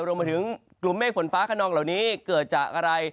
รวมไปถึงกลุ่มเมฆฝนฟ้าขนองเหล่านี้เกิดจากอะไร